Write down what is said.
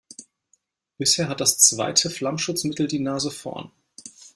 Bisher hat das zweite Flammschutzmittel die Nase vorn.